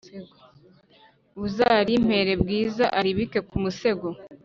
uzarimpere bwiza aribike kumusego